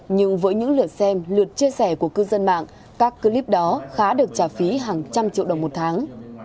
nhưng với những lượt xem lượt chia sẻ của cư dân mạng các clip đó khá được trả phí hàng trăm triệu đồng một tháng